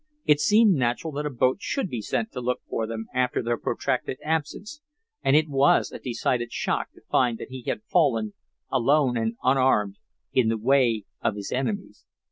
It seemed natural that a boat should be sent to look for them after their protracted absence, and it was a decided shock to find that he had fallen, alone and unarmed, in the way of his enemies.